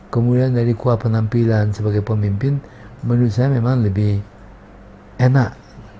kemudian dari kuat penampilan sebagai pemimpin menurut saya memang lebih enak